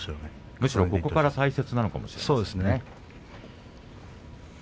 むしろここからが大事なのかもしれませんね。